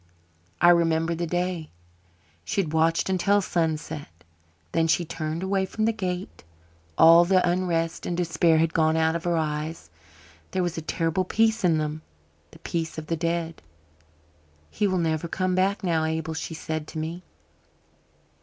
I remember the day: she had watched until sunset. Then she turned away from the gate. All the unrest and despair had gone out of her eyes. There was a terrible peace in them the peace of the dead. 'He will never come back now, Abel,' she said to me.